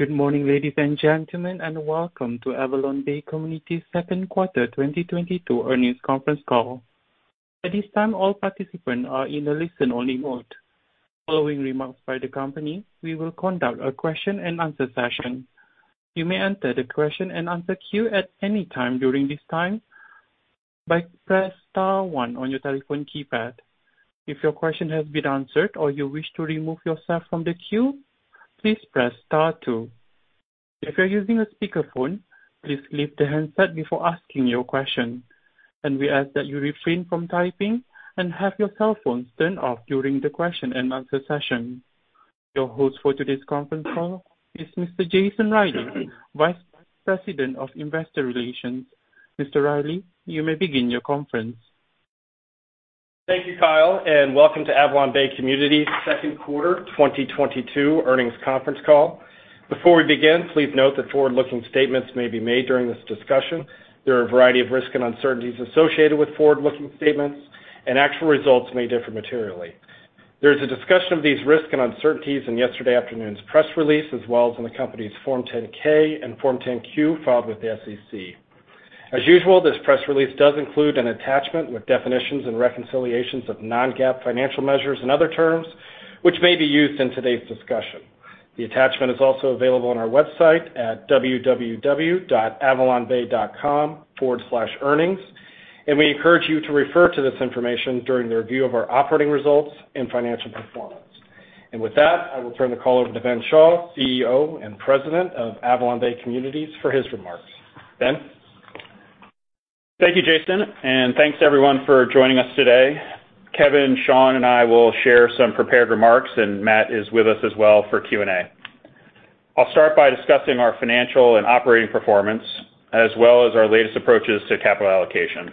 Good morning, ladies and gentlemen, and welcome to AvalonBay Communities second quarter 2022 earnings conference call. At this time, all participants are in a listen-only mode. Following remarks by the company, we will conduct a question-and-answer session. You may enter the question-and-answer queue at any time during this time by press star one on your telephone keypad. If your question has been answered or you wish to remove yourself from the queue, please press star two. If you're using a speakerphone, please leave the handset before asking your question. We ask that you refrain from typing and have your cell phones turned off during the question-and-answer session. Your host for today's conference call is Mr. Jason Reilley, Vice President of Investor Relations. Mr. Reilley, you may begin your conference call. Thank you, Kyle, and welcome to AvalonBay Communities second quarter 2022 earnings conference call. Before we begin, please note that forward-looking statements may be made during this discussion. There are a variety of risks and uncertainties associated with forward-looking statements, and actual results may differ materially. There's a discussion of these risks and uncertainties in yesterday afternoon's press release, as well as in the company's Form 10-K and Form 10-Q filed with the SEC. As usual, this press release does include an attachment with definitions and reconciliations of non-GAAP financial measures and other terms which may be used in today's discussion. The attachment is also available on our website at www.avalonbay.com/earnings. We encourage you to refer to this information during the review of our operating results and financial performance. With that, I will turn the call over to Ben Schall, CEO and President of AvalonBay Communities, for his remarks. Ben? Thank you, Jason, and thanks everyone for joining us today. Kevin, Sean, and I will share some prepared remarks, and Matt is with us as well for Q&A. I'll start by discussing our financial and operating performance, as well as our latest approaches to capital allocation.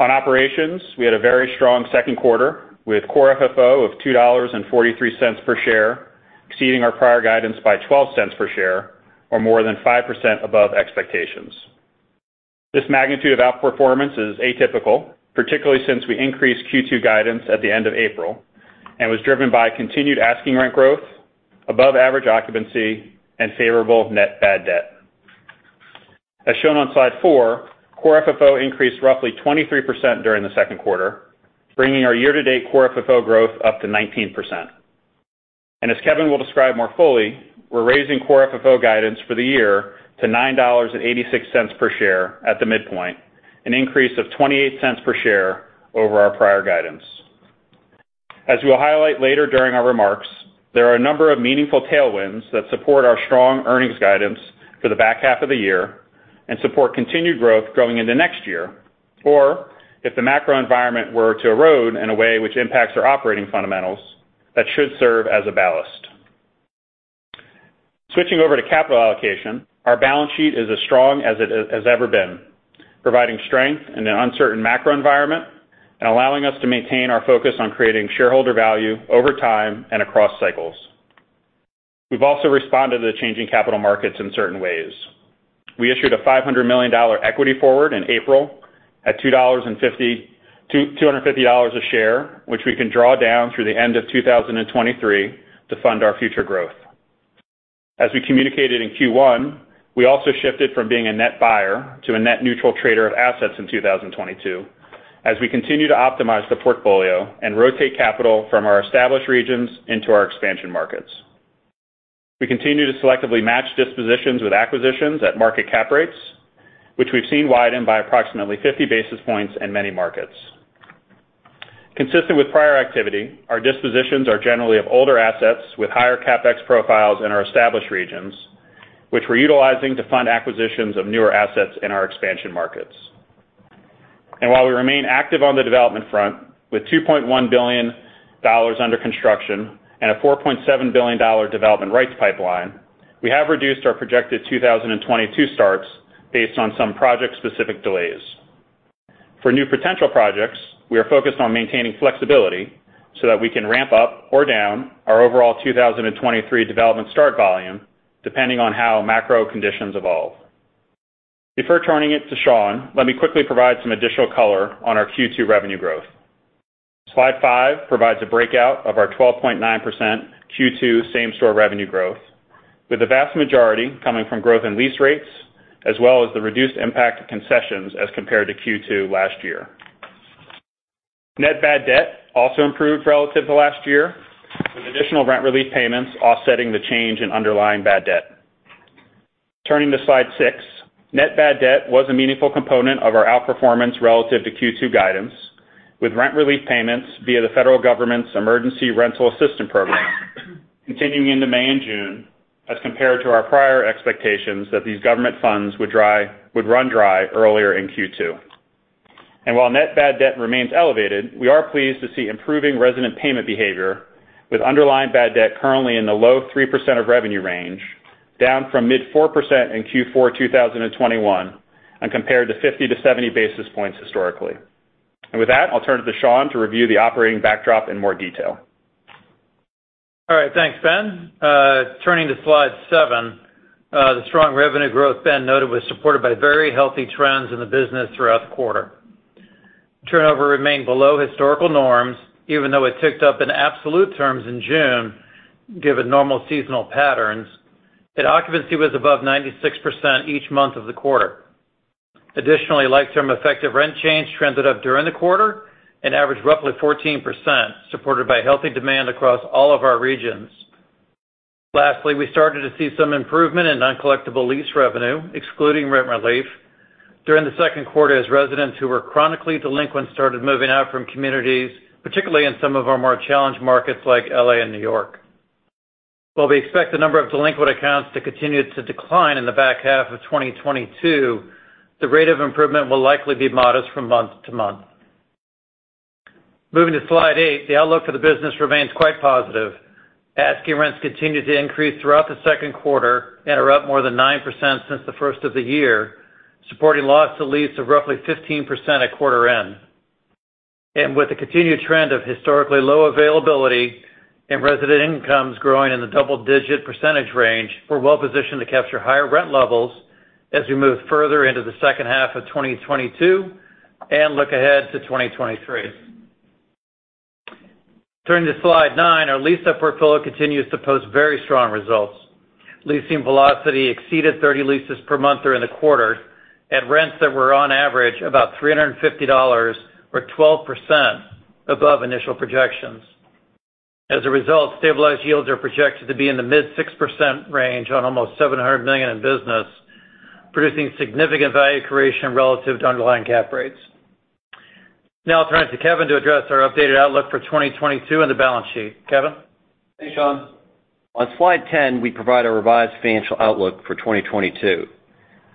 On operations, we had a very strong second quarter, with Core FFO of $2.43 per share, exceeding our prior guidance by $0.12 per share, or more than 5% above expectations. This magnitude of outperformance is atypical, particularly since we increased Q2 guidance at the end of April, and was driven by continued asking rent growth, above-average occupancy, and favorable net bad debt. As shown on slide 4, Core FFO increased roughly 23% during the second quarter, bringing our year-to-date Core FFO growth up to 19%. As Kevin will describe more fully, we're raising Core FFO guidance for the year to $9.86 per share at the midpoint, an increase of $0.28 per share over our prior guidance. As we'll highlight later during our remarks, there are a number of meaningful tailwinds that support our strong earnings guidance for the back half of the year and support continued growth going into next year. If the macro environment were to erode in a way which impacts our operating fundamentals, that should serve as a ballast. Switching over to capital allocation, our balance sheet is as strong as it has ever been, providing strength in an uncertain macro environment and allowing us to maintain our focus on creating shareholder value over time and across cycles. We've also responded to the changing capital markets in certain ways. We issued a $500 million equity forward in April at $250 a share, which we can draw down through the end of 2023 to fund our future growth. As we communicated in Q1, we also shifted from being a net buyer to a net neutral trader of assets in 2022, as we continue to optimize the portfolio and rotate capital from our established regions into our expansion markets. We continue to selectively match dispositions with acquisitions at market cap rates, which we've seen widen by approximately 50 basis points in many markets. Consistent with prior activity, our dispositions are generally of older assets with higher CapEx profiles in our established regions, which we're utilizing to fund acquisitions of newer assets in our expansion markets. While we remain active on the development front with $2.1 billion under construction and a $4.7 billion development rights pipeline, we have reduced our projected 2022 starts based on some project-specific delays. For new potential projects, we are focused on maintaining flexibility so that we can ramp up or down our overall 2023 development start volume, depending on how macro conditions evolve. Before turning it to Sean, let me quickly provide some additional color on our Q2 revenue growth. Slide 5 provides a breakout of our 12.9% Q2 same-store revenue growth, with the vast majority coming from growth in lease rates, as well as the reduced impact of concessions as compared to Q2 last year. Net bad debt also improved relative to last year, with additional rent relief payments offsetting the change in underlying bad debt. Turning to slide 6, net bad debt was a meaningful component of our outperformance relative to Q2 guidance, with rent relief payments via the federal government's Emergency Rental Assistance Program continuing into May and June, as compared to our prior expectations that these government funds would run dry earlier in Q2. While net bad debt remains elevated, we are pleased to see improving resident payment behavior with underlying bad debt currently in the low 3% of revenue range, down from mid-4% in Q4 2021, and compared to 50-70 basis points historically. With that, I'll turn it to Sean to review the operating backdrop in more detail. All right. Thanks, Ben. Turning to slide 7, the strong revenue growth Ben noted was supported by very healthy trends in the business throughout the quarter. Turnover remained below historical norms even though it ticked up in absolute terms in June, given normal seasonal patterns, that occupancy was above 96% each month of the quarter. Additionally, long-term effective rent change trended up during the quarter and averaged roughly 14%, supported by healthy demand across all of our regions. Lastly, we started to see some improvement in uncollectible lease revenue, excluding rent relief, during the second quarter as residents who were chronically delinquent started moving out from communities, particularly in some of our more challenged markets like L.A. and New York. While we expect the number of delinquent accounts to continue to decline in the back half of 2022, the rate of improvement will likely be modest from month to month. Moving to slide 8, the outlook for the business remains quite positive. Asking rents continued to increase throughout the second quarter and are up more than 9% since the first of the year, supporting Loss to Lease of roughly 15% at quarter end. With the continued trend of historically low availability and resident incomes growing in the double-digit % range, we're well positioned to capture higher rent levels as we move further into the second half of 2022 and look ahead to 2023. Turning to slide 9, our lease-up portfolio continues to post very strong results. Leasing velocity exceeded 30 leases per month during the quarter at rents that were on average about $350 or 12% above initial projections. As a result, stabilized yields are projected to be in the mid-6% range on almost $700 million in business, producing significant value creation relative to underlying cap rates. Now I'll turn it to Kevin to address our updated outlook for 2022 and the balance sheet. Kevin? Thanks, Sean. On slide 10, we provide a revised financial outlook for 2022.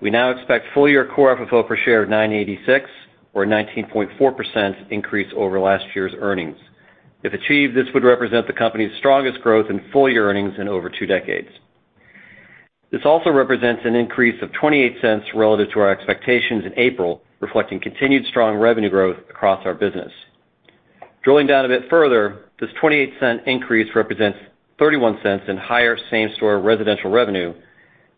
We now expect full-year Core FFO per share of $9.86 or 19.4% increase over last year's earnings. If achieved, this would represent the company's strongest growth in full-year earnings in over two decades. This also represents an increase of $0.28 relative to our expectations in April, reflecting continued strong revenue growth across our business. Drilling down a bit further, this $0.28 increase represents $0.31 in higher same store residential revenue,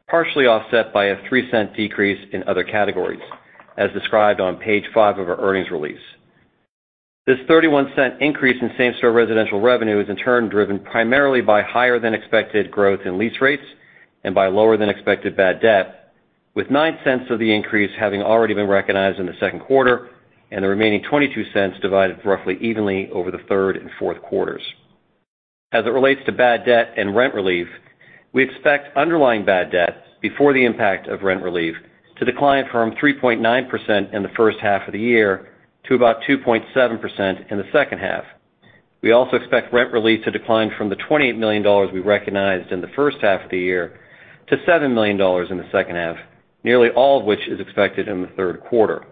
partially offset by a $0.03 decrease in other categories, as described on page 5 of our earnings release. This $0.31 increase in same store residential revenue is in turn driven primarily by higher than expected growth in lease rates and by lower than expected bad debt, with $0.09 of the increase having already been recognized in the second quarter and the remaining $0.22 divided roughly evenly over the third and fourth quarters. As it relates to bad debt and rent relief, we expect underlying bad debt before the impact of rent relief to decline from 3.9% in the first half of the year to about 2.7% in the second half. We also expect rent relief to decline from the $28 million we recognized in the first half of the year to $7 million in the second half, nearly all of which is expected in the third quarter.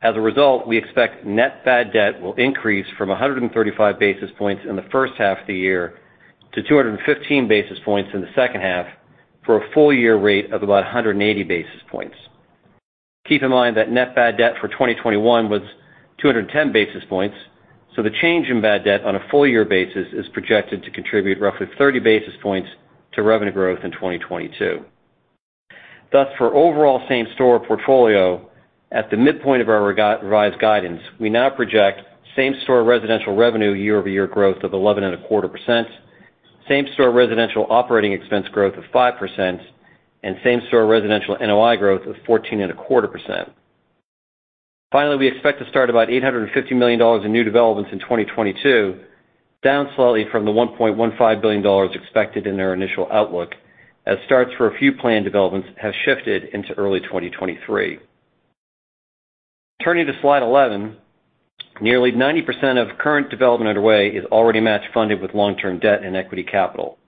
As a result, we expect net bad debt will increase from 135 basis points in the first half of the year to 215 basis points in the second half for a full year rate of about 180 basis points. Keep in mind that net bad debt for 2021 was 210 basis points, so the change in bad debt on a full year basis is projected to contribute roughly 30 basis points to revenue growth in 2022. Thus, for overall same store portfolio, at the midpoint of our revised guidance, we now project same store residential revenue year-over-year growth of 11.25%, same store residential operating expense growth of 5%, and same store residential NOI growth of 14.25%. Finally, we expect to start about $850 million in new developments in 2022, down slightly from the $1.15 billion expected in our initial outlook, as starts for a few planned developments have shifted into early 2023. Turning to slide 11, nearly 90% of current development underway is already match funded with long-term debt and equity capital.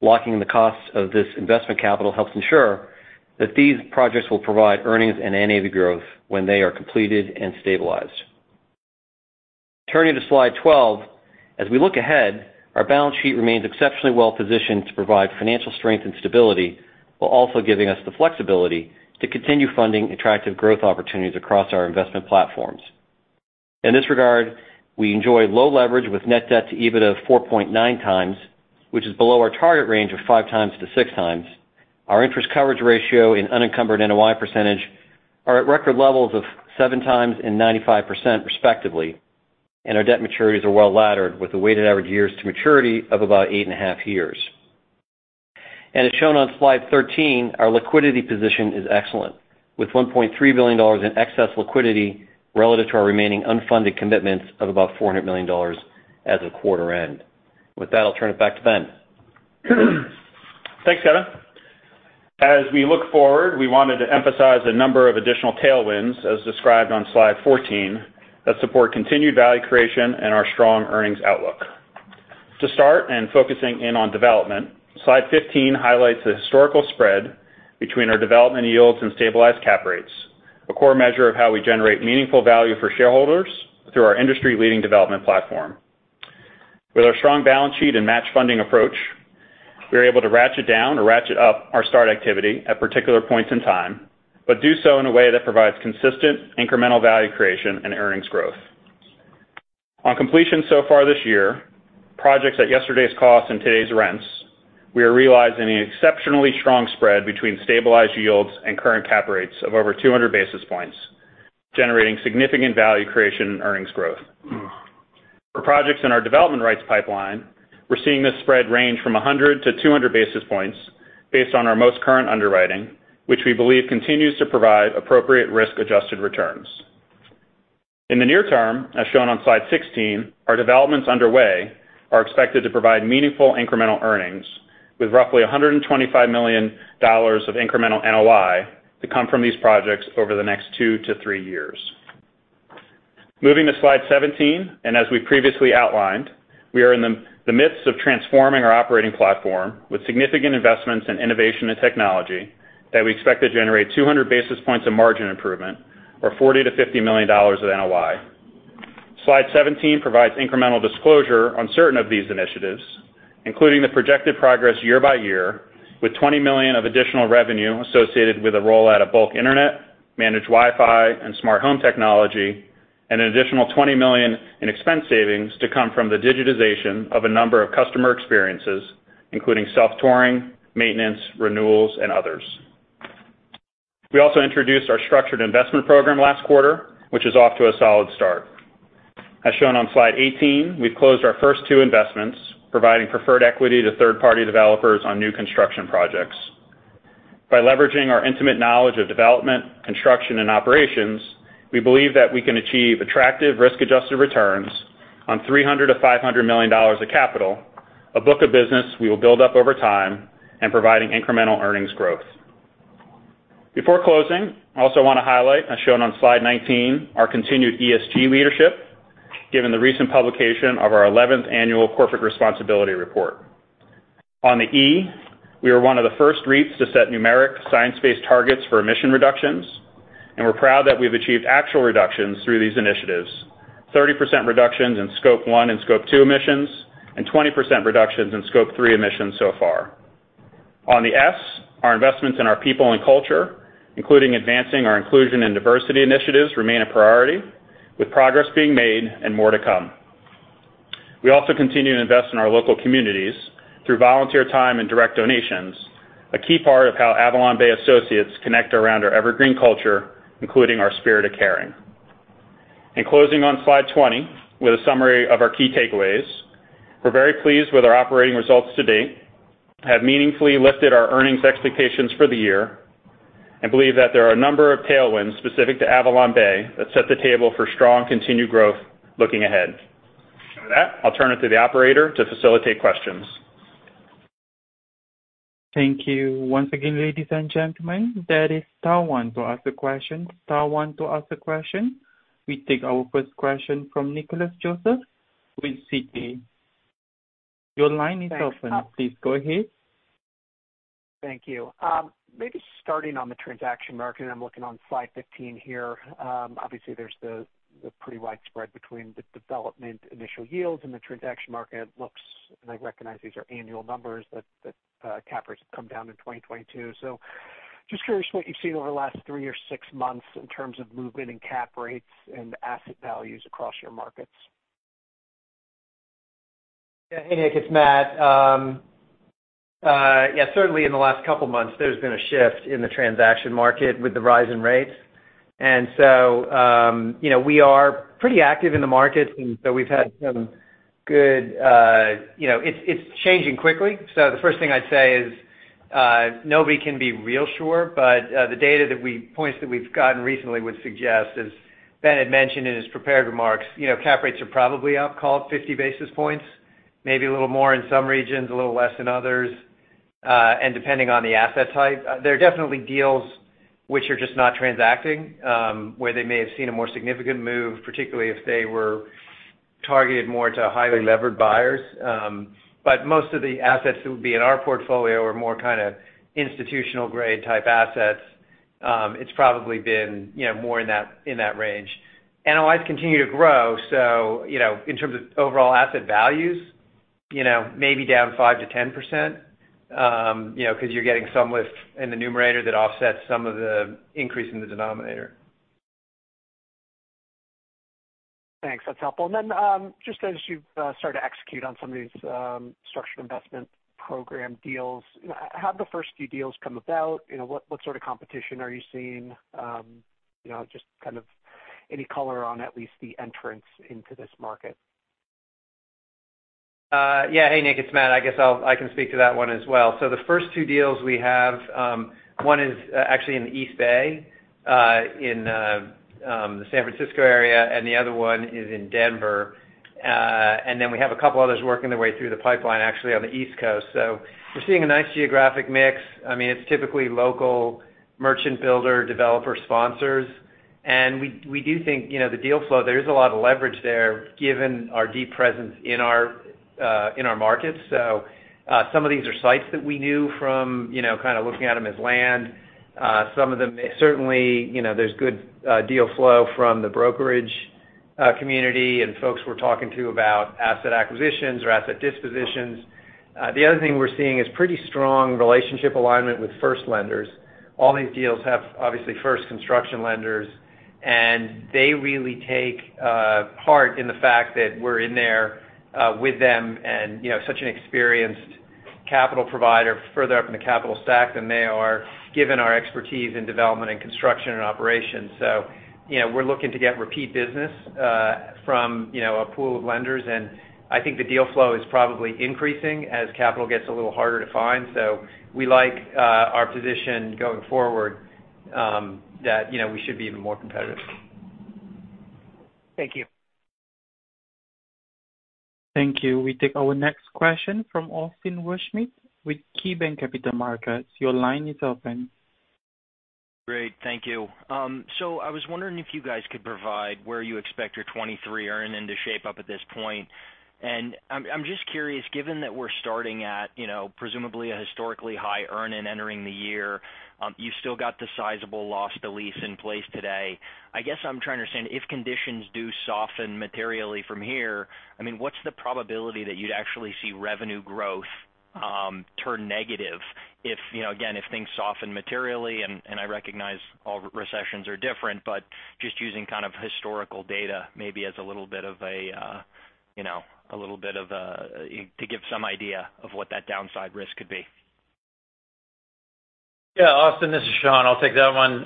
Locking the costs of this investment capital helps ensure that these projects will provide earnings and NAV growth when they are completed and stabilized. Turning to slide 12, as we look ahead, our balance sheet remains exceptionally well positioned to provide financial strength and stability while also giving us the flexibility to continue funding attractive growth opportunities across our investment platforms. In this regard, we enjoy low leverage with net debt to EBITDA of 4.9 times, which is below our target range of 5-6 times. Our interest coverage ratio and unencumbered NOI percentage are at record levels of 7 times and 95% respectively, and our debt maturities are well-laddered with a weighted average years to maturity of about 8.5 years. As shown on slide 13, our liquidity position is excellent, with $1.3 billion in excess liquidity relative to our remaining unfunded commitments of about $400 million as of quarter end. With that, I'll turn it back to Ben. Thanks, Kevin. As we look forward, we wanted to emphasize a number of additional tailwinds, as described on slide 14, that support continued value creation and our strong earnings outlook. To start and focusing in on development, slide 15 highlights the historical spread between our development yields and stabilized cap rates, a core measure of how we generate meaningful value for shareholders through our industry-leading development platform. With our strong balance sheet and match funding approach, we are able to ratchet down or ratchet up our start activity at particular points in time, but do so in a way that provides consistent incremental value creation and earnings growth. On completion so far this year, projects at yesterday's costs and today's rents, we are realizing an exceptionally strong spread between stabilized yields and current cap rates of over 200 basis points, generating significant value creation and earnings growth. For projects in our development rights pipeline, we're seeing this spread range from 100 to 200 basis points based on our most current underwriting, which we believe continues to provide appropriate risk-adjusted returns. In the near term, as shown on slide 16, our developments underway are expected to provide meaningful incremental earnings with roughly $125 million of incremental NOI to come from these projects over the next 2 to 3 years. Moving to slide 17, as we previously outlined, we are in the midst of transforming our operating platform with significant investments in innovation and technology that we expect to generate 200 basis points of margin improvement or $40 million-$50 million of NOI. Slide 17 provides incremental disclosure on certain of these initiatives, including the projected progress year by year, with $20 million of additional revenue associated with the roll-out of bulk Internet, managed Wi-Fi and smart home technology, and an additional $20 million in expense savings to come from the digitization of a number of customer experiences, including self-touring, maintenance, renewals and others. We also introduced our structured investment program last quarter, which is off to a solid start. As shown on slide 18, we've closed our first 2 investments, providing preferred equity to third-party developers on new construction projects. By leveraging our intimate knowledge of development, construction and operations, we believe that we can achieve attractive risk-adjusted returns on $300 million-$500 million of capital, a book of business we will build up over time and providing incremental earnings growth. Before closing, I also want to highlight, as shown on slide 19, our continued ESG leadership, given the recent publication of our eleventh annual corporate responsibility report. On the E, we are one of the first REITs to set numeric science-based targets for emission reductions, and we're proud that we've achieved actual reductions through these initiatives, 30% reductions in Scope 1 and Scope 2 emissions, and 20% reductions in Scope 3 emissions so far. On the S, our investments in our people and culture, including advancing our inclusion and diversity initiatives, remain a priority, with progress being made and more to come. We also continue to invest in our local communities through volunteer time and direct donations, a key part of how AvalonBay associates connect around our evergreen culture, including our spirit of caring. Closing on slide 20 with a summary of our key takeaways, we're very pleased with our operating results to date, have meaningfully lifted our earnings expectations for the year, and believe that there are a number of tailwinds specific to AvalonBay that set the table for strong continued growth looking ahead. With that, I'll turn it to the operator to facilitate questions. Thank you. Once again, ladies and gentlemen, that is star one to ask a question. Star one to ask a question. We take our first question from Nicholas Joseph with Citi. Your line is open. Please go ahead. Thank you. Maybe starting on the transaction market, I'm looking on slide 15 here. Obviously, there's the pretty wide spread between the development initial yields and the transaction market. It looks, and I recognize these are annual numbers, that cap rates have come down in 2022. Just curious what you've seen over the last 3 or 6 months in terms of movement in cap rates and asset values across your markets. Yeah. Hey, Nick, it's Matt. Yeah, certainly in the last couple months, there's been a shift in the transaction market with the rise in rates. You know, we are pretty active in the markets, and so we've had some good. You know, it's changing quickly. The first thing I'd say is, nobody can be real sure, but, the points that we've gotten recently would suggest, as Ben had mentioned in his prepared remarks, you know, cap rates are probably up call it 50 basis points, maybe a little more in some regions, a little less in others, and depending on the asset type. There are definitely deals which are just not transacting, where they may have seen a more significant move, particularly if they were targeted more to highly levered buyers. Most of the assets that would be in our portfolio are more kinda institutional-grade type assets. It's probably been, you know, more in that range. NOIs continue to grow, so, you know, in terms of overall asset values, you know, maybe down 5%-10%, you know, 'cause you're getting some lift in the numerator that offsets some of the increase in the denominator. Thanks. That's helpful. Just as you've started to execute on some of these structured investment program deals, you know, how have the first few deals come about? You know, what sort of competition are you seeing? You know, just kind of any color on at least the entrance into this market. Yeah. Hey, Nick, it's Matt. I guess I can speak to that one as well. The first two deals we have, one is actually in the East Bay in the San Francisco area, and the other one is in Denver. Then we have a couple others working their way through the pipeline, actually, on the East Coast. We're seeing a nice geographic mix. I mean, it's typically local merchant builder, developer sponsors. We do think, you know, the deal flow, there is a lot of leverage there given our deep presence in our markets. Some of these are sites that we knew from, you know, kind of looking at them as land. Some of them may. Certainly, you know, there's good deal flow from the brokerage community and folks we're talking to about asset acquisitions or asset dispositions. The other thing we're seeing is pretty strong relationship alignment with first lenders. All these deals have obviously first construction lenders, and they really take part in the fact that we're in there with them and, you know, such an experienced capital provider further up in the capital stack than they are, given our expertise in development and construction and operations. You know, we're looking to get repeat business from, you know, a pool of lenders. I think the deal flow is probably increasing as capital gets a little harder to find. We like our position going forward, that, you know, we should be even more competitive. Thank you. Thank you. We take our next question from Austin Wurschmidt with KeyBanc Capital Markets. Your line is open. Great. Thank you. I was wondering if you guys could provide where you expect your 2023 earnings to shape up at this point. I'm just curious, given that we're starting at, you know, presumably a historically high earnings entering the year, you still got the sizable loss to lease in place today. I guess I'm trying to understand, if conditions do soften materially from here, I mean, what's the probability that you'd actually see revenue growth turn negative if, you know, again, if things soften materially, and I recognize all recessions are different, but just using kind of historical data maybe as a little bit of a, you know, to give some idea of what that downside risk could be. Yeah, Austin, this is Sean. I'll take that one.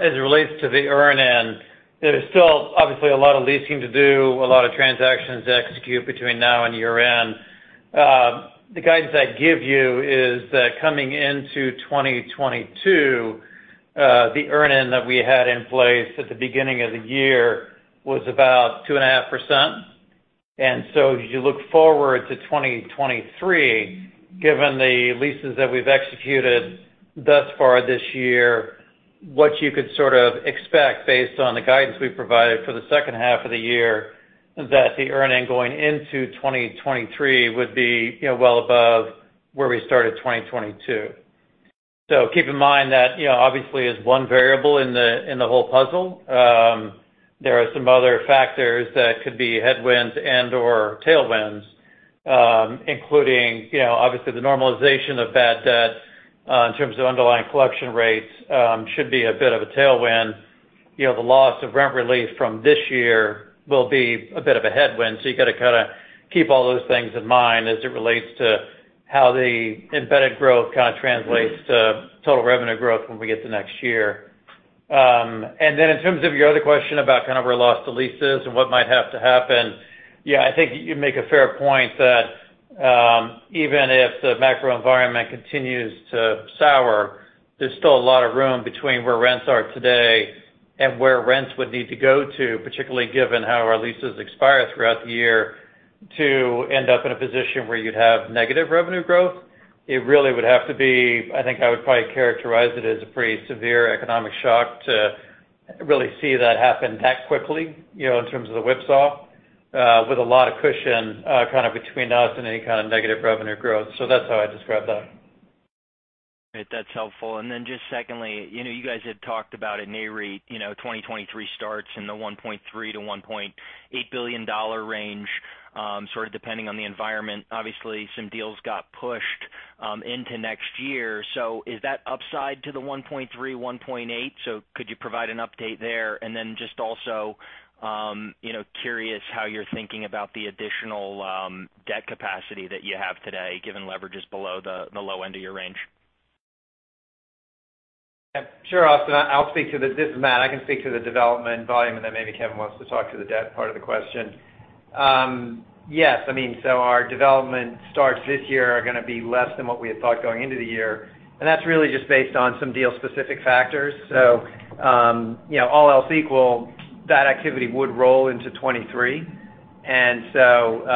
As it relates to the earn-in, there's still obviously a lot of leasing to do, a lot of transactions to execute between now and year-end. The guidance I'd give you is that coming into 2022, the earn-in that we had in place at the beginning of the year was about 2.5%. As you look forward to 2023, given the leases that we've executed thus far this year, what you could sort of expect based on the guidance we've provided for the second half of the year is that the earn-in going into 2023 would be, you know, well above where we started 2022. Keep in mind that, you know, obviously its one variable in the whole puzzle. There are some other factors that could be headwinds and/or tailwinds, including, you know, obviously the normalization of bad debt in terms of underlying collection rates should be a bit of a tailwind. You know, the loss of rent relief from this year will be a bit of a headwind, so you got to kind of keep all those things in mind as it relates to how the embedded growth kind of translates to total revenue growth when we get to next year. In terms of your other question about our loss to lease and what might have to happen, yeah, I think you make a fair point that, even if the macro environment continues to sour, there's still a lot of room between where rents are today and where rents would need to go to, particularly given how our leases expire throughout the year, to end up in a position where you'd have negative revenue growth. It really would have to be a pretty severe economic shock to really see that happen that quickly, you know, in terms of the whipsaw, with a lot of cushion kind of between us and any kind of negative revenue growth. That's how I'd describe that. Great. That's helpful. Then just secondly, you know, you guys had talked about at Nareit, you know, 2023 starts in the $1.3 billion-$1.8 billion range, sort of depending on the environment. Obviously, some deals got pushed into next year. Is that upside to the $1.3, $1.8? Could you provide an update there? Then just also, you know, curious how you're thinking about the additional debt capacity that you have today, given leverage is below the low end of your range. Yeah. Sure, Austin. This is Matt. I can speak to the development volume, and then maybe Kevin wants to talk to the debt part of the question. Yes. I mean, our development starts this year are gonna be less than what we had thought going into the year. That's really just based on some deal-specific factors. You know, all else equal, that activity would roll into 2023. You know,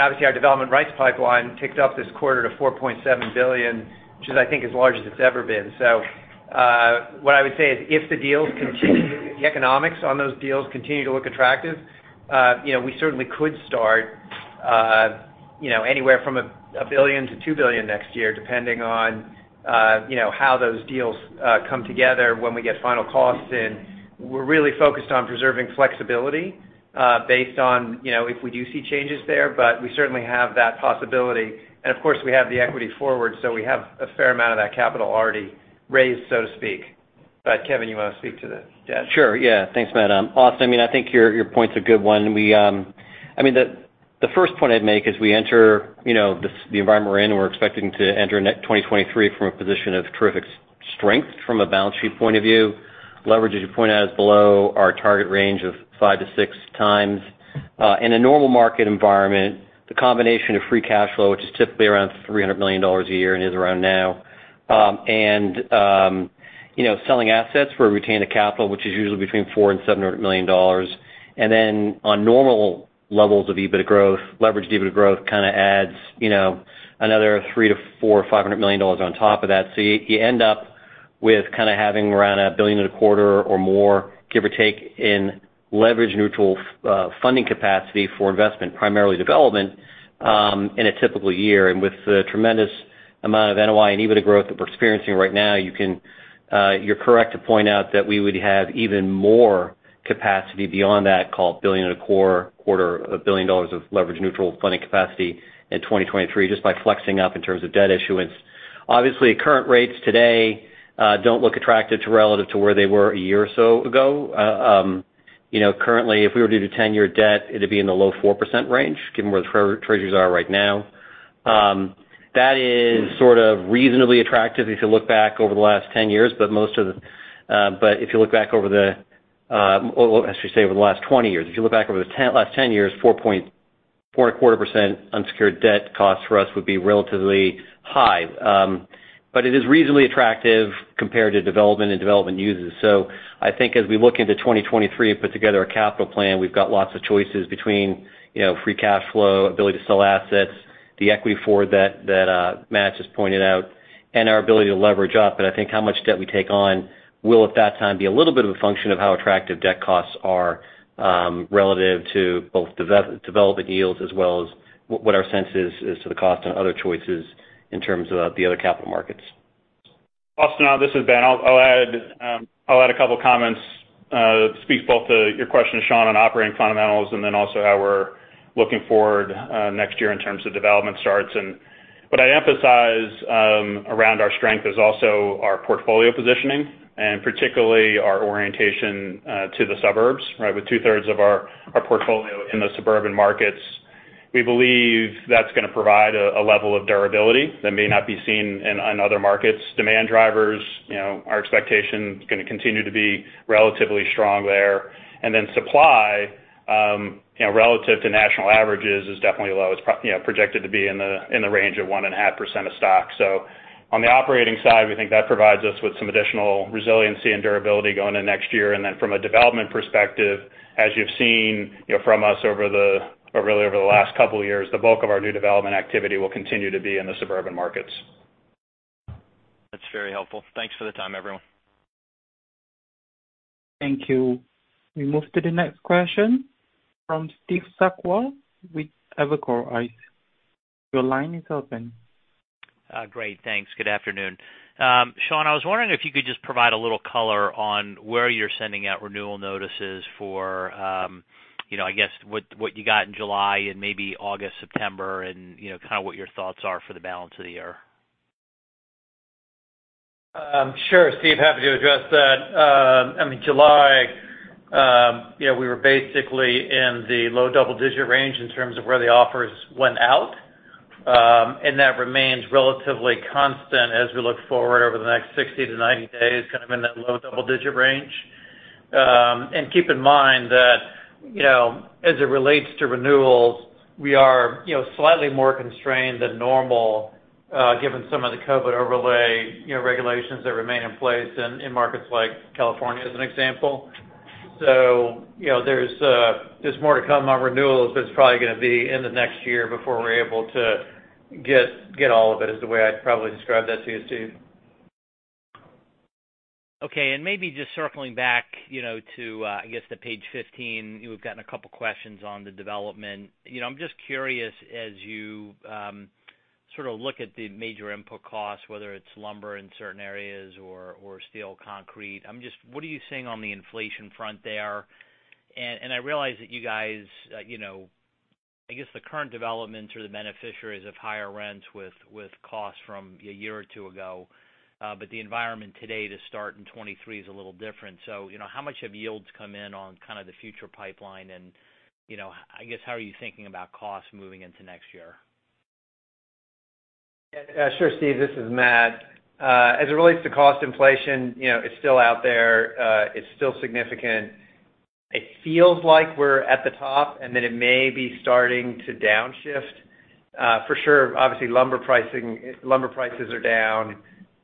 obviously our development rights pipeline ticked up this quarter to $4.7 billion, which is I think as large as it's ever been. What I would say is if the deals continue, the economics on those deals continue to look attractive, you know, we certainly could start, you know, anywhere from $1 billion-$2 billion next year, depending on, you know, how those deals come together when we get final costs in. We're really focused on preserving flexibility, based on, you know, if we do see changes there, but we certainly have that possibility. Of course, we have the equity forward, so we have a fair amount of that capital already raised, so to speak. Kevin, you wanna speak to the debt? Sure, yeah. Thanks, Matt. Austin, I mean, I think your point's a good one. I mean, the first point I'd make as we enter, you know, this environment we're in, we're expecting to enter into 2023 from a position of terrific strength from a balance sheet point of view. Leverage, as you point out, is below our target range of 5-6x. In a normal market environment, the combination of free cash flow, which is typically around $300 million a year and is around now, and, you know, selling assets where we retain the capital, which is usually between $400-$700 million. Then on normal levels of EBITDA growth, leveraged EBITDA growth kind of adds, you know, another $300-$500 million on top of that. You end up with kind of having around $1.25 billion or more, give or take, in leverage neutral funding capacity for investment, primarily development, in a typical year. With the tremendous amount of NOI and EBITDA growth that we're experiencing right now, you can, you're correct to point out that we would have even more capacity beyond that, call it $1.25 billion of leverage neutral funding capacity in 2023 just by flexing up in terms of debt issuance. Obviously, current rates today don't look attractive relative to where they were a year or so ago. You know, currently, if we were to do 10-year debt, it'd be in the low 4% range, given where the Treasuries are right now. That is sort of reasonably attractive if you look back over the last 10 years, but if you look back, I should say, over the last 20 years. If you look back over the last 10 years, 4.25% unsecured debt cost for us would be relatively high. But it is reasonably attractive compared to development yields. I think as we look into 2023 and put together a capital plan, we've got lots of choices between free cash flow, ability to sell assets, the equity forward that Matt just pointed out, and our ability to leverage up. I think how much debt we take on will, at that time, be a little bit of a function of how attractive debt costs are, relative to both development yields as well as what our sense is to the cost and other choices in terms of the other capital markets. Austin Wurschmidt, this is Ben Schall. I'll add a couple of comments that speaks both to your question, Sean, on operating fundamentals and then also how we're looking forward next year in terms of development starts. What I emphasize around our strength is also our portfolio positioning, and particularly our orientation to the suburbs, right? With two-thirds of our portfolio in the suburban markets, we believe that's gonna provide a level of durability that may not be seen in other markets. Demand drivers, you know, our expectation is gonna continue to be relatively strong there. Supply, you know, relative to national averages is definitely low. It's projected to be in the range of 1.5% of stock. On the operating side, we think that provides us with some additional resiliency and durability going into next year. From a development perspective, as you've seen, you know, from us or really over the last couple of years, the bulk of our new development activity will continue to be in the suburban markets. That's very helpful. Thanks for the time, everyone. Thank you. We move to the next question from Steve Sakwa with Evercore ISI. Your line is open. Great. Thanks. Good afternoon. Sean, I was wondering if you could just provide a little color on where you're sending out renewal notices for, you know, I guess, what you got in July and maybe August, September, and, you know, kind of what your thoughts are for the balance of the year. Sure, Steve. Happy to address that. I mean, July, you know, we were basically in the low double-digit range in terms of where the offers went out, and that remains relatively constant as we look forward over the next 60 to 90 days, kind of in that low double-digit range. Keep in mind that, you know, as it relates to renewals, we are, you know, slightly more constrained than normal, given some of the COVID overlay, you know, regulations that remain in place in markets like California, as an example. You know, there's more to come on renewals, but it's probably gonna be in the next year before we're able to get all of it, is the way I'd probably describe that to you, Steve. Okay. Maybe just circling back, you know, to, I guess, to page 15, you know, we've gotten a couple of questions on the development. You know, I'm just curious, as you sort of look at the major input costs, whether it's lumber in certain areas or steel, concrete. What are you seeing on the inflation front there? I realize that you guys, you know, I guess the current developments are the beneficiaries of higher rents with costs from a year or two ago, but the environment today to start in 2023 is a little different. You know, how much have yields come in on kind of the future pipeline? You know, I guess, how are you thinking about costs moving into next year? Yeah. Sure, Steve. This is Matt. As it relates to cost inflation, you know, it's still out there. It's still significant. It feels like we're at the top, and then it may be starting to downshift. For sure, obviously, lumber pricing, lumber prices are down.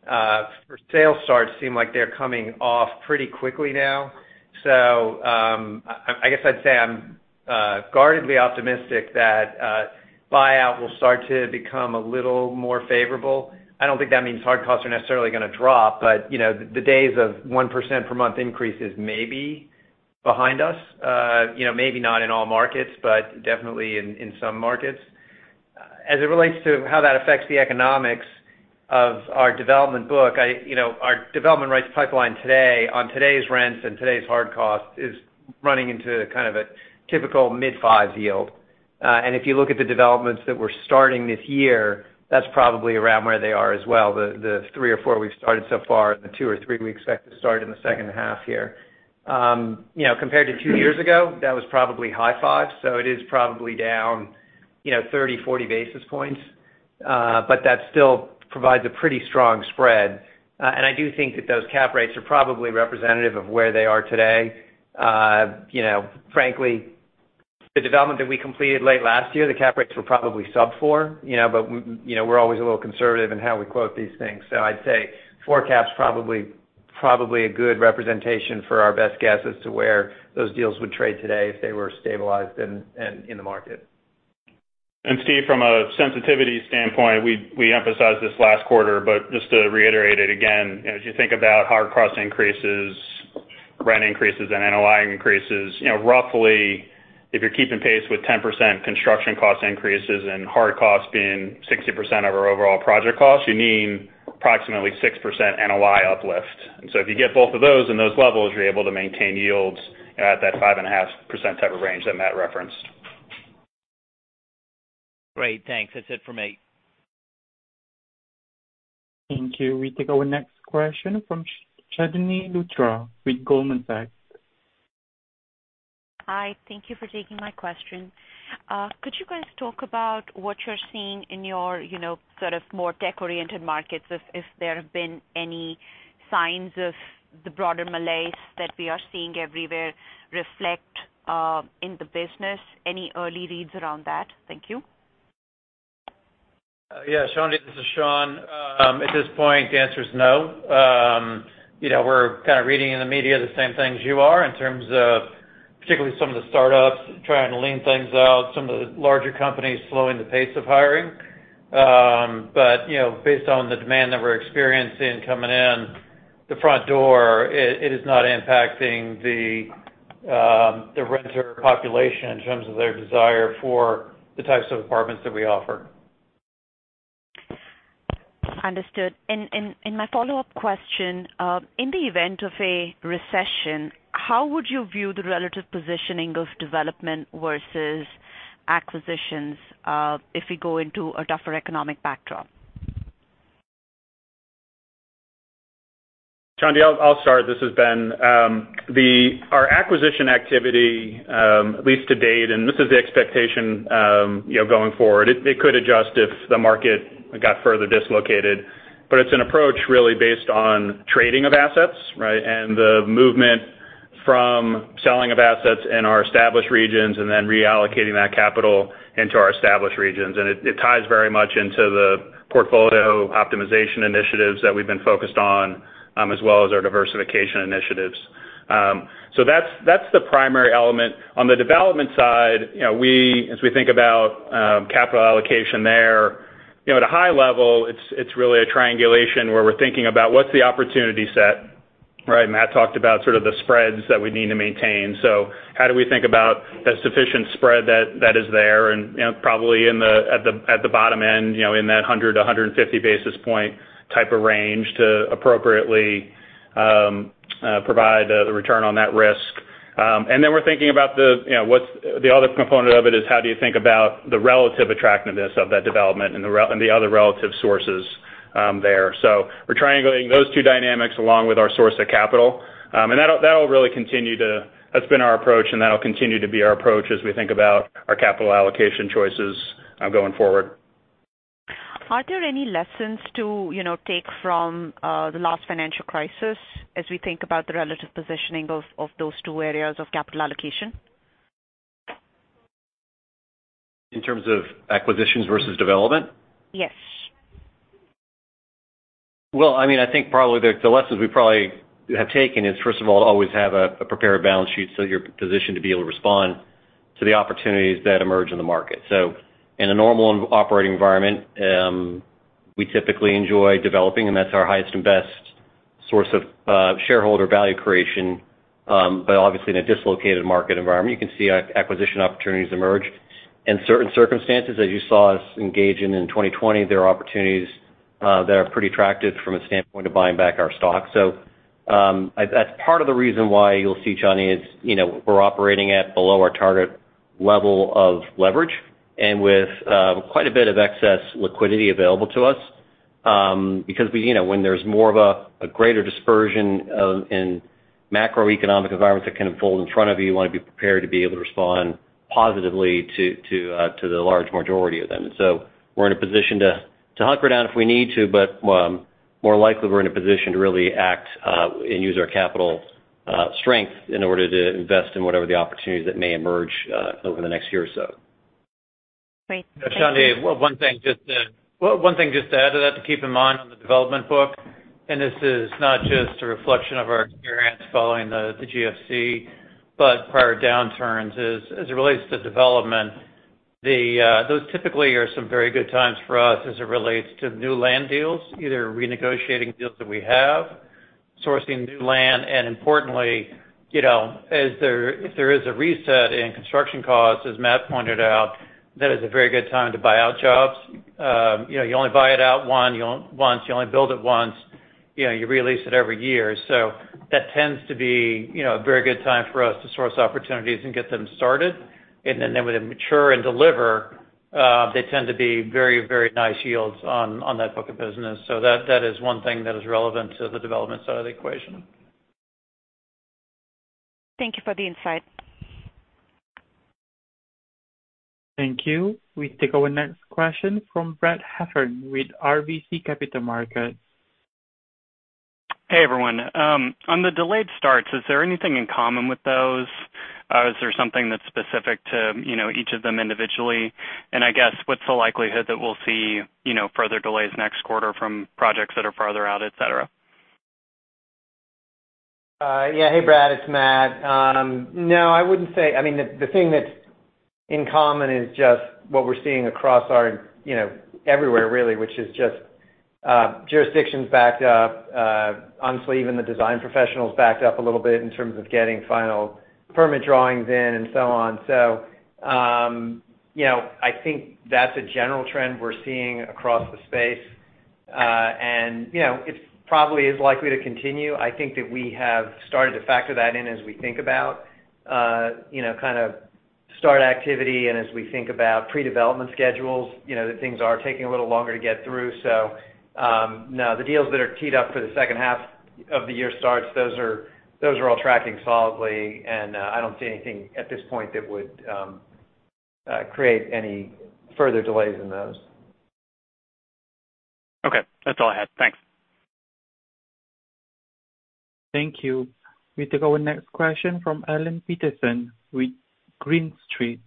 For-sale starts seem like they're coming off pretty quickly now. I guess I'd say I'm guardedly optimistic that buildout will start to become a little more favorable. I don't think that means hard costs are necessarily gonna drop, but, you know, the days of 1% per month increases may be behind us. You know, maybe not in all markets, but definitely in some markets. As it relates to how that affects the economics of our development book, I, you know, our development rights pipeline today, on today's rents and today's hard costs, is running into kind of a typical mid-5s yield. If you look at the developments that we're starting this year, that's probably around where they are as well, the 3 or 4 we've started so far, and the 2 or 3 we expect to start in the second half here. You know, compared to two years ago, that was probably high 5s, so it is probably down 30-40 basis points. That still provides a pretty strong spread. I do think that those cap rates are probably representative of where they are today. You know, frankly, the development that we completed late last year, the cap rates were probably sub 4, you know, but we're always a little conservative in how we quote these things. I'd say 4 caps probably a good representation for our best guess as to where those deals would trade today if they were stabilized and in the market. Steve, from a sensitivity standpoint, we emphasized this last quarter, but just to reiterate it again, as you think about hard cost increases. Rent increases and NOI increases. You know, roughly, if you're keeping pace with 10% construction cost increases and hard costs being 60% of our overall project costs, you need approximately 6% NOI uplift. If you get both of those in those levels, you're able to maintain yields at that 5.5% type of range that Matt referenced. Great. Thanks. That's it for me. Thank you. We take our next question from Chandni Luthra with Goldman Sachs. Hi. Thank you for taking my question. Could you guys talk about what you're seeing in your, you know, sort of more tech-oriented markets, if there have been any signs of the broader malaise that we are seeing everywhere reflected in the business? Any early reads around that? Thank you. Yeah, Chandni, this is Sean. At this point, The answer is no. You know, we're kind of reading in the media the same thing as you are in terms of particularly some of the startups trying to lean things out, some of the larger companies slowing the pace of hiring. You know, based on the demand that we're experiencing coming in the front door, it is not impacting the renter population in terms of their desire for the types of apartments that we offer. Understood. My follow-up question, in the event of a recession, how would you view the relative positioning of development versus acquisitions, if we go into a tougher economic backdrop? Chandni, I'll start. This is Ben. Our acquisition activity, at least to date, and this is the expectation, you know, going forward, it could adjust if the market got further dislocated. It's an approach really based on trading of assets, right? The movement from selling of assets in our established regions and then reallocating that capital into our established regions. It ties very much into the portfolio optimization initiatives that we've been focused on, as well as our diversification initiatives. That's the primary element. On the development side, you know, as we think about capital allocation there, you know, at a high level it's really a triangulation where we're thinking about what's the opportunity set, right? Matt talked about sort of the spreads that we need to maintain. How do we think about the sufficient spread that is there and, you know, probably at the bottom end, you know, in that 100-150 basis points type of range to appropriately provide the return on that risk. And then we're thinking about, you know, the other component of it is how do you think about the relative attractiveness of that development and the other relative sources there. We're triangulating those two dynamics along with our source of capital. That'll really continue to be our approach. That's been our approach, and that'll continue to be our approach as we think about our capital allocation choices going forward. Are there any lessons to, you know, take from the last financial crisis as we think about the relative positioning of those two areas of capital allocation? In terms of acquisitions versus development? Yes. Well, I mean, I think probably the lessons we probably have taken is, first of all, always have a prepared balance sheet so you're positioned to be able to respond to the opportunities that emerge in the market. In a normal operating environment, we typically enjoy developing, and that's our highest and best source of shareholder value creation. Obviously in a dislocated market environment, you can see acquisition opportunities emerge. In certain circumstances, as you saw us engage in 2020, there are opportunities that are pretty attractive from a standpoint of buying back our stock. That's part of the reason why you'll see, Chandni, is you know, we're operating at below our target level of leverage and with quite a bit of excess liquidity available to us because we... You know, when there's more of a greater dispersion in macroeconomic environments that kind of fold in front of you wanna be prepared to be able to respond positively to the large majority of them. We're in a position to hunker down if we need to, but more likely, we're in a position to really act and use our capital strength in order to invest in whatever the opportunities that may emerge over the next year or so. Great. Chandni, one thing just to add to that to keep in mind on the development book, and this is not just a reflection of our experience following the GFC but prior downturns is as it relates to development, those typically are some very good times for us as it relates to new land deals, either renegotiating deals that we have, sourcing new land, and importantly, you know, if there is a reset in construction costs, as Matt pointed out, that is a very good time to buy out jobs. You know, you only buy it out once. You only build it once. You know, you release it every year. So that tends to be, you know, a very good time for us to source opportunities and get them started. Then when they mature and deliver, they tend to be very, very nice yields on that book of business. That is one thing that is relevant to the development side of the equation. Thank you for the insight. Thank you. We take our next question from Brad Heffern with RBC Capital Markets. Hey, everyone. On the delayed starts, is there anything in common with those? Is there something that's specific to, you know, each of them individually? I guess what's the likelihood that we'll see, you know, further delays next quarter from projects that are farther out, et cetera? Yeah. Hey, Brad, it's Matt. No, I wouldn't say. I mean, the thing that's in common is just what we're seeing across our, you know, everywhere really, which is just jurisdictions backed up. Honestly, even the design professionals backed up a little bit in terms of getting final permit drawings in and so on. You know, I think that's a general trend we're seeing across the space. You know, it probably is likely to continue. I think that we have started to factor that in as we think about, you know, kind of start activity and as we think about pre-development schedules, you know, that things are taking a little longer to get through. No, the deals that are teed up for the second half of the year starts, those are all tracking solidly, and I don't see anything at this point that would create any further delays in those. Okay. That's all I had. Thanks. Thank you. We take our next question from John Pawlowski with Green Street.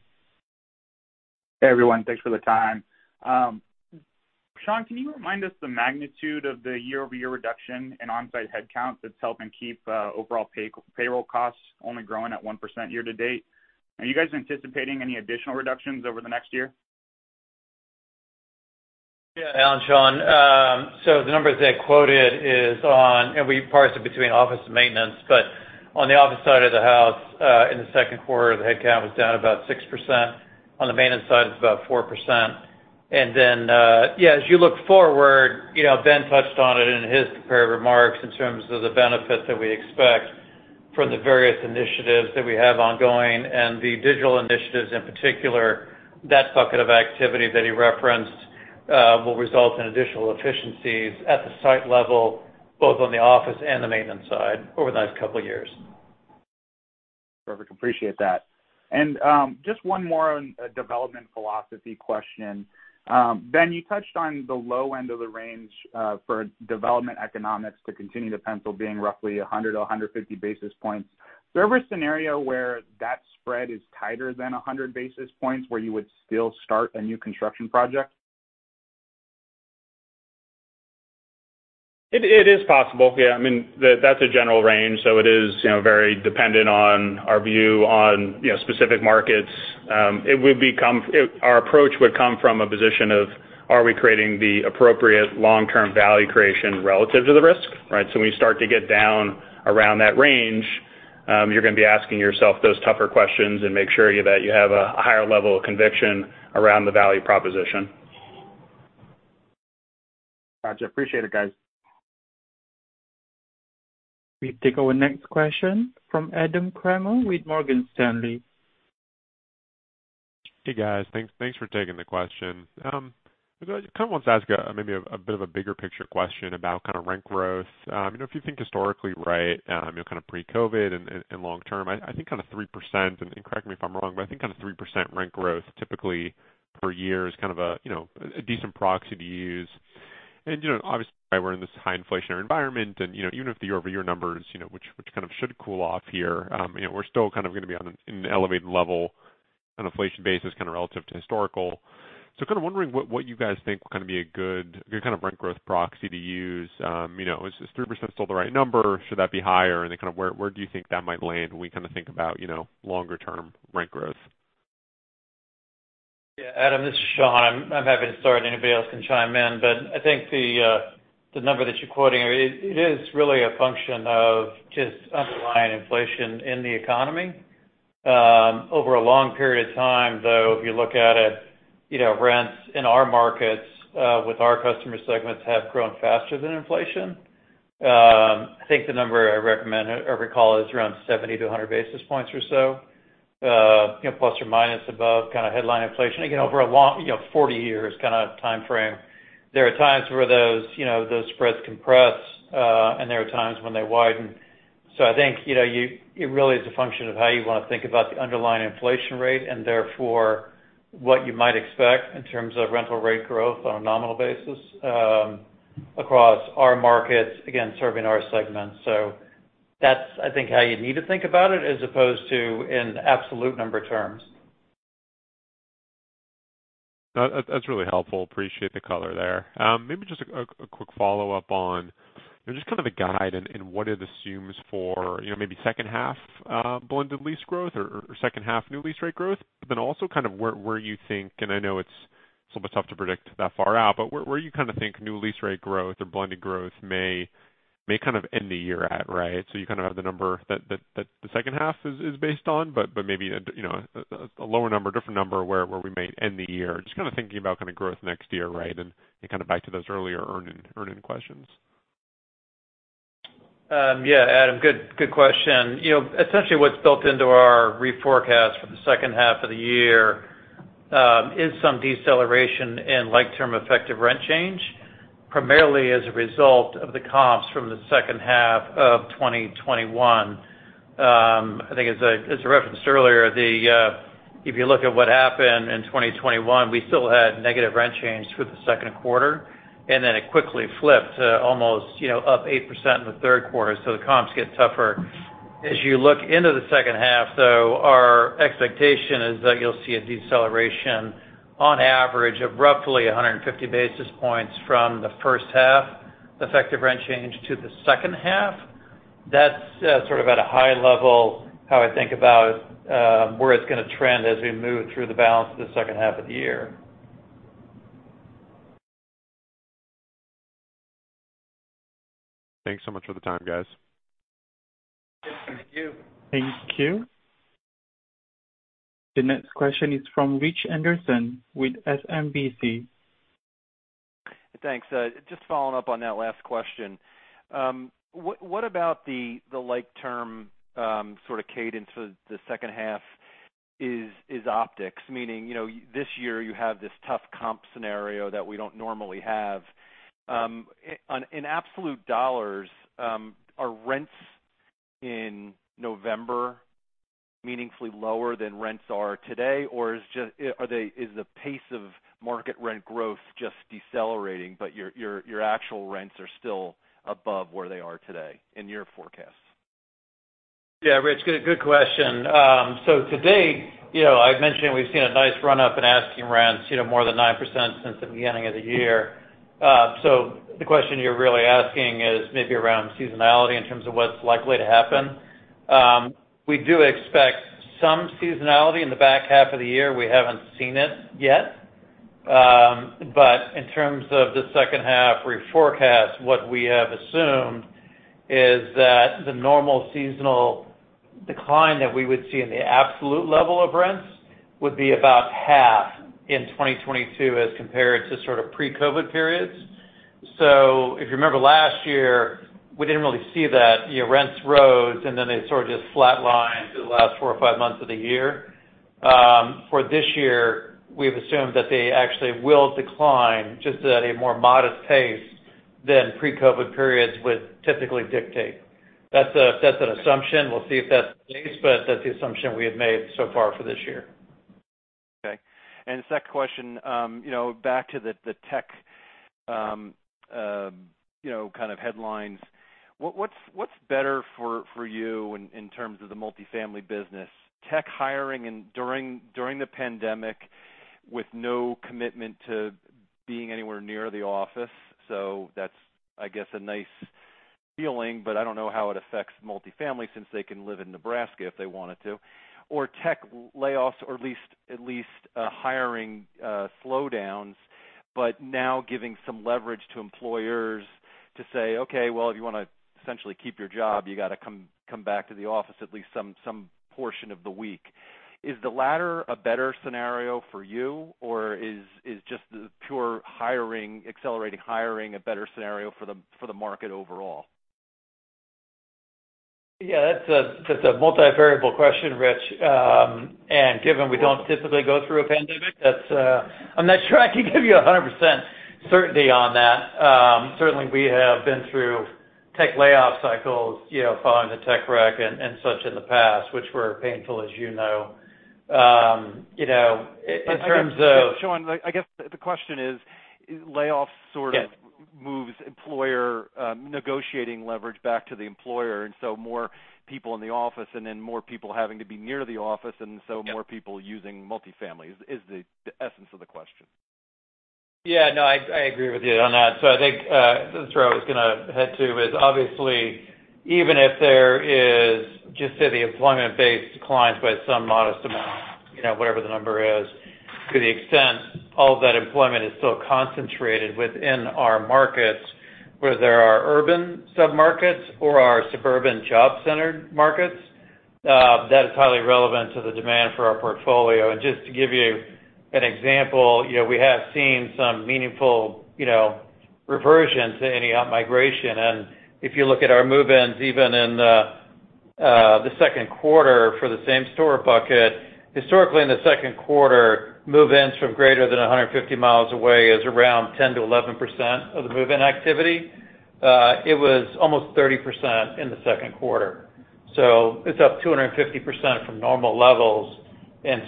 Hey, everyone. Thanks for the time. Sean, can you remind us the magnitude of the year-over-year reduction in on-site headcount that's helping keep overall payroll costs only growing at 1% year-to-date? Are you guys anticipating any additional reductions over the next year? Yeah, Alan, Sean. The numbers they quoted is on. We parse it between office and maintenance, but on the office side of the house, in the second quarter, the headcount was down about 6%. On the maintenance side, it's about 4%. Yeah, as you look forward, you know, Ben touched on it in his prepared remarks in terms of the benefits that we expect from the various initiatives that we have ongoing and the digital initiatives in particular. That bucket of activity that he referenced will result in additional efficiencies at the site level, both on the office and the maintenance side over the next couple of years. Perfect. Appreciate that. Just one more on a development philosophy question. Ben, you touched on the low end of the range for development economics to continue to pencil being roughly 100 to 150 basis points. Is there ever a scenario where that spread is tighter than 100 basis points where you would still start a new construction project? It is possible. Yeah. I mean, that's a general range, so it is, you know, very dependent on our view on, you know, specific markets. Our approach would come from a position of are we creating the appropriate long-term value creation relative to the risk, right? So when you start to get down around that range, you're gonna be asking yourself those tougher questions and make sure you have a higher level of conviction around the value proposition. Gotcha. Appreciate it, guys. We take our next question from Adam Kramer with Morgan Stanley. Hey, guys. Thanks for taking the question. Kind of want to ask maybe a bit of a bigger picture question about kind of rent growth. You know, if you think historically, right, you know, kind of pre-COVID and long term, I think kind of 3%, and correct me if I'm wrong, but I think kind of 3% rent growth typically per year is kind of a, you know, a decent proxy to use. You know, obviously, we're in this high inflationary environment and, you know, even if the year-over-year numbers, you know, which kind of should cool off here, you know, we're still kind of gonna be in an elevated level on inflation basis, kind of relative to historical. Kind of wondering what you guys think will kind of be a good kind of rent growth proxy to use. You know, is this 3% still the right number? Should that be higher? Kind of where you think that might land when we kind of think about, you know, longer term rent growth? Yeah. Adam, this is Sean. I'm happy to start, and anybody else can chime in. I think the number that you're quoting, it is really a function of just underlying inflation in the economy. Over a long period of time, though, if you look at it, you know, rents in our markets with our customer segments have grown faster than inflation. I think the number I recommend or recall is around 70-100 basis points or so, ± above kind of headline inflation, again, over a long, you know, 40 years kind of timeframe. There are times where those, you know, those spreads compress, and there are times when they widen. I think, you know, it really is a function of how you want to think about the underlying inflation rate and therefore what you might expect in terms of rental rate growth on a nominal basis, across our markets, again, serving our segments. That's, I think, how you need to think about it as opposed to in absolute number terms. No. That's really helpful. Appreciate the color there. Maybe just a quick follow-up on, you know, just kind of a guide in what it assumes for, you know, maybe second half, blended lease growth or second half new lease rate growth. Then also kind of where you think, and I know it's a little bit tough to predict that far out, but where you kind of think new lease rate growth or blended growth may kind of end the year at, right? You kind of have the number that the second half is based on, but maybe, you know, a lower number, different number where we may end the year. Just kind of thinking about kind of growth next year, right, and then kind of back to those earlier earnings questions. Yeah. Adam, good question. You know, essentially what's built into our reforecast for the second half of the year is some deceleration in like-term effective rent change, primarily as a result of the comps from the second half of 2021. I think as I referenced earlier, if you look at what happened in 2021, we still had negative rent change through the second quarter, and then it quickly flipped to almost, you know, up 8% in the third quarter. The comps get tougher. As you look into the second half, though, our expectation is that you'll see a deceleration on average of roughly 150 basis points from the first half effective rent change to the second half. That's sort of at a high level how I think about where it's gonna trend as we move through the balance of the second half of the year. Thanks so much for the time, guys. Yes, thank you. Thank you. The next question is from Rich Anderson with SMBC. Thanks. Just following up on that last question. What about the long-term sort of cadence of the second half is optics. Meaning, you know, this year you have this tough comp scenario that we don't normally have. In absolute dollars, are rents in November meaningfully lower than rents are today? Or is the pace of market rent growth just decelerating, but your actual rents are still above where they are today in your forecasts? Yeah. Rich, good question. To date, you know, I've mentioned we've seen a nice run up in asking rents, you know, more than 9% since the beginning of the year. The question you're really asking is maybe around seasonality in terms of what's likely to happen. We do expect some seasonality in the back half of the year. We haven't seen it yet. In terms of the second half reforecast, what we have assumed is that the normal seasonal decline that we would see in the absolute level of rents would be about half in 2022 as compared to sort of pre-COVID periods. If you remember last year, we didn't really see that. You know, rents rose, and then they sort of just flat lined through the last four or five months of the year. For this year, we've assumed that they actually will decline just at a more modest pace than pre-COVID periods would typically dictate. That's an assumption. We'll see if that's the case, but that's the assumption we have made so far for this year. Okay. Second question, you know, back to the tech, you know, kind of headlines. What’s better for you in terms of the multifamily business tech hiring and during the pandemic with no commitment to being anywhere near the office. That's I guess a nice feeling, but I don't know how it affects multifamily since they can live in Nebraska if they wanted to, or tech layoffs or at least hiring slowdowns, but now giving some leverage to employers to say, "Okay, well, if you wanna essentially keep your job, you gotta come back to the office at least some portion of the week." Is the latter a better scenario for you, or is just the pure hiring accelerating hiring a better scenario for the market overall? Yeah, that's a multivariable question, Rich. Given we don't typically go through a pandemic, that's. I'm not sure I can give you 100% certainty on that. Certainly we have been through tech layoff cycles, you know, following the tech wreck and such in the past, which were painful, as you know. You know, in terms of. Sean, I guess the question is, layoffs sort of. Yes. Negotiating leverage back to the employer, and so more people in the office and then more people having to be near the office, and so more people using multifamily is the essence of the question. Yeah, no, I agree with you on that. I think that's where I was gonna head to, is obviously even if there is just say the employment-based declines by some modest amount, you know, whatever the number is, to the extent all of that employment is still concentrated within our markets, whether they are urban submarkets or are suburban job center markets, that is highly relevant to the demand for our portfolio. Just to give you an example, you know, we have seen some meaningful, you know, reversion to any outmigration. If you look at our move-ins, even in the second quarter for the same store bucket, historically in the second quarter, move-ins from greater than 150 miles away is around 10%-11% of the move-in activity. It was almost 30% in the second quarter. It's up 250% from normal levels.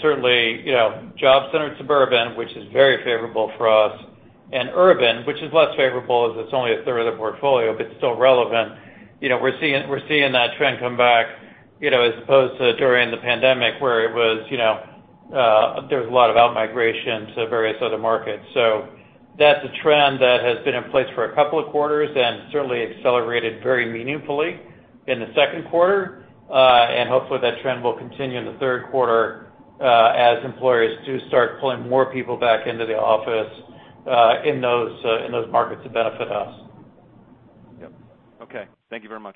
Certainly, you know, job center in suburban, which is very favorable for us, and urban, which is less favorable as it's only a third of the portfolio, but it's still relevant. You know, we're seeing that trend come back, you know, as opposed to during the pandemic where it was, you know, there was a lot of outmigration to various other markets. That's a trend that has been in place for a couple of quarters and certainly accelerated very meaningfully in the second quarter. Hopefully that trend will continue in the third quarter, as employers do start pulling more people back into the office, in those markets that benefit us. Yep. Okay. Thank you very much.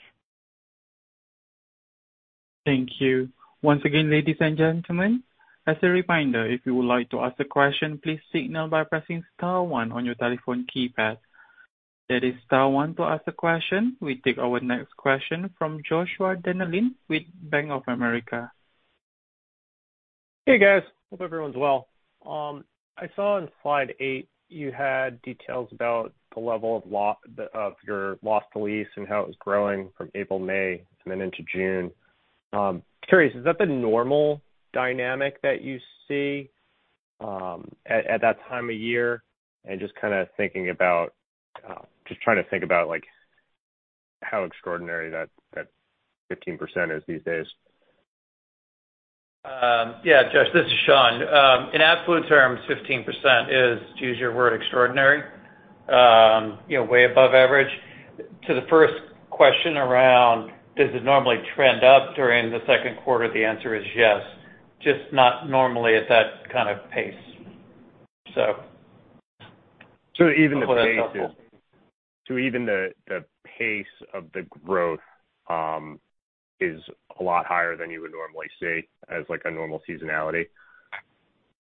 Thank you. Once again, ladies and gentlemen, as a reminder, if you would like to ask a question, please signal by pressing star one on your telephone keypad. That is star one to ask a question. We take our next question from Joshua Dennerlein with Bank of America. Hey, guys. Hope everyone's well. I saw on slide 8 you had details about the level of your loss to lease and how it was growing from April, May, and then into June. Curious, is that the normal dynamic that you see at that time of year? Just kinda thinking about, like, how extraordinary that 15% is these days. Yeah, Josh, this is Sean. In absolute terms, 15% is, to use your word, extraordinary. You know, way above average. To the first question around does it normally trend up during the second quarter? The answer is yes, just not normally at that kind of pace. Even the pace is. Hope that's helpful. Even the pace of the growth is a lot higher than you would normally see as, like, a normal seasonality.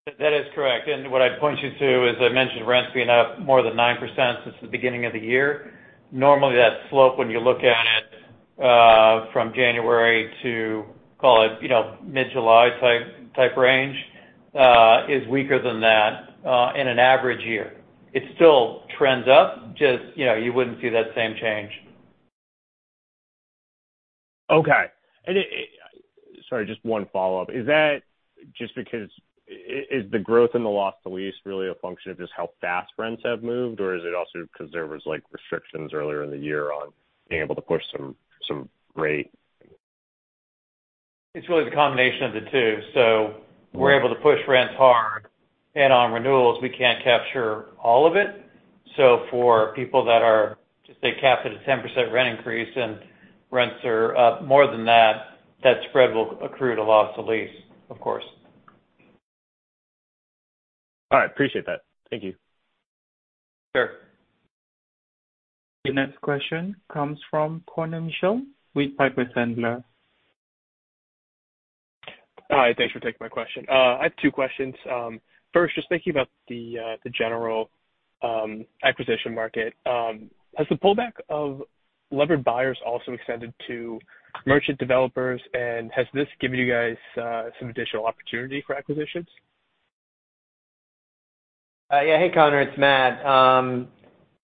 That is correct. What I'd point you to is I mentioned rents being up more than 9% since the beginning of the year. Normally, that slope, when you look at it, from January to call it, you know, mid-July type range, is weaker than that, in an average year. It still trends up, just, you know, you wouldn't see that same change. Okay. Sorry, just one follow-up. Is that just because is the growth in the loss to lease really a function of just how fast rents have moved, or is it also 'cause there was, like, restrictions earlier in the year on being able to push some rate? It's really the combination of the two. Mm-hmm. We're able to push rents hard. On renewals, we can't capture all of it. For people that are, just say, capped at a 10% rent increase and rents are up more than that spread will accrue to Loss to Lease, of course. All right. Appreciate that. Thank you. Sure. Your next question comes from Conor Mitchell with Piper Sandler. Hi, thanks for taking my question. I have two questions. First, just thinking about the general acquisition market, has the pullback of levered buyers also extended to merchant developers, and has this given you guys some additional opportunity for acquisitions? Yeah. Hey, Conor, it's Matt.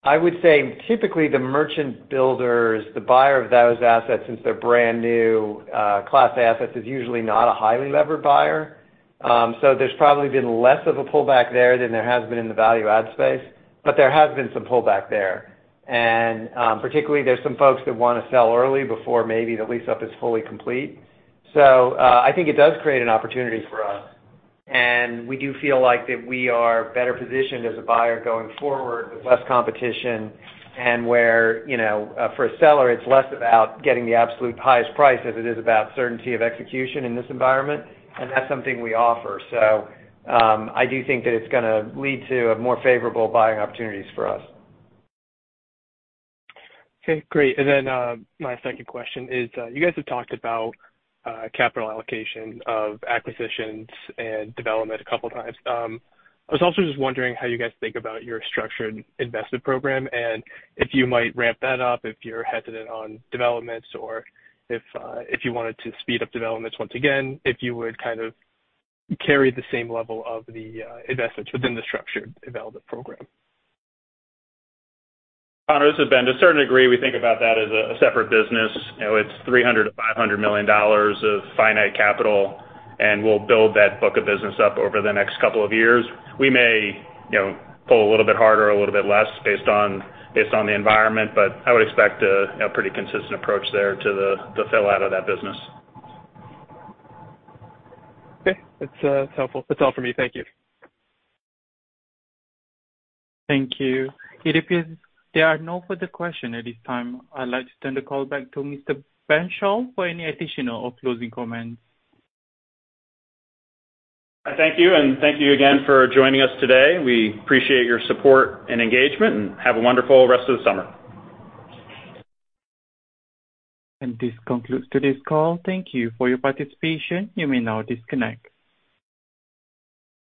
I would say typically the merchant builders, the buyer of those assets, since they're brand new, class assets, is usually not a highly levered buyer. So there's probably been less of a pullback there than there has been in the value add space, but there has been some pullback there. Particularly there's some folks that wanna sell early before maybe the lease-up is fully complete. I think it does create an opportunity for us, and we do feel like that we are better positioned as a buyer going forward with less competition and where, you know, for a seller, it's less about getting the absolute highest price as it is about certainty of execution in this environment, and that's something we offer. I do think that it's gonna lead to more favorable buying opportunities for us. Okay, great. My second question is, you guys have talked about capital allocation of acquisitions and development a couple times. I was also just wondering how you guys think about your structured investment program and if you might ramp that up if you're hesitant on developments or if you wanted to speed up developments once again, if you would kind of carry the same level of the investments within the structured development program. Conor, this is Ben. To a certain degree, we think about that as a separate business. You know, it's $300 million-$500 million of finite capital, and we'll build that book of business up over the next couple of years. We may, you know, pull a little bit harder or a little bit less based on the environment, but I would expect a, you know, pretty consistent approach there to the fill-out of that business. Okay. That's helpful. That's all for me. Thank you. Thank you. It appears there are no further questions at this time. I'd like to turn the call back to Mr. Schall for any additional or closing comments. I thank you and thank you again for joining us today. We appreciate your support and engagement, and have a wonderful rest of the summer. This concludes today's call. Thank you for your participation. You may now disconnect.